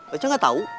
saya gak tahu